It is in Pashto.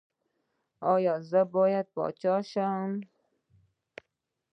ایا زه باید پاچا شم؟